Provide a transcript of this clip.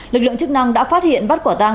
lực lượng chức năng đã phát hiện bắt quả tang